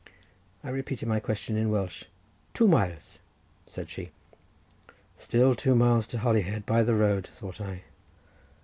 I repeated my question in Welsh. "Two miles," said she. "Still two miles to Holyhead by the road," thought I.